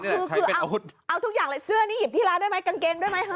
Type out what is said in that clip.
คือเอาทุกอย่างเลยเสื้อนี่หยิบที่ร้านด้วยไหมกางเกงด้วยไหม